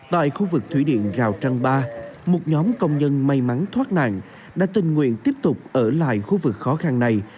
tại khu vực thủy điện rào trăng ba một nhóm công nhân may mắn thoát nạn đã tình nguyện tiếp tục ở lại khu vực khó khăn này